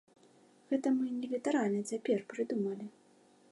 Гэта мы не літаральна цяпер прыдумалі.